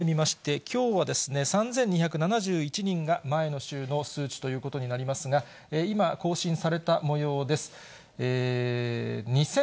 またほかの曜日を見てみまして、きょうは３２７１人が前の週の数値ということになりますが、今、更新されたもようです。